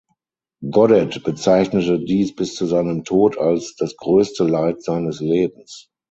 Goddet bezeichnete dies bis zu seinem Tod als „das größte Leid seines Lebens“.